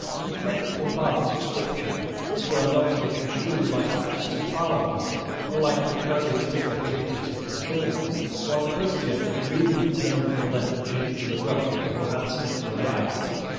The ethical parts of Scripture were not to be construed like Acts of Parliament, or like the casuistical treatises of the schoolmen. What Christian really turned the left cheek to the ruffian who had smitten the right?